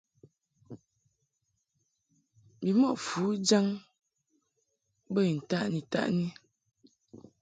Bimɔʼ fujaŋ bə I ntaʼni-taʼni.